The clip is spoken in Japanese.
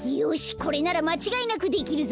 これならまちがいなくできるぞ。